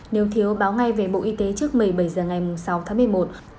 nếu thiếu báo ngay về bộ y tế trước một mươi bảy h ngày sáu tháng một mươi một